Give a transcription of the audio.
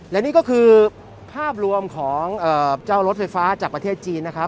และนี่ก็คือภาพรวมของเจ้ารถไฟฟ้าจากประเทศจีนนะครับ